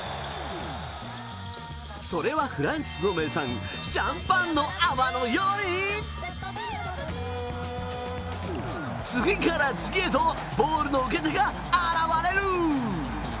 それは、フランスの名産シャンパンの泡のように次から次へとボールの受け手が現れる！